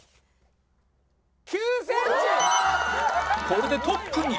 これでトップに